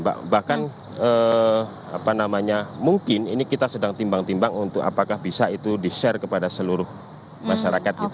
bahkan apa namanya mungkin ini kita sedang timbang timbang untuk apakah bisa itu di share kepada seluruh masyarakat gitu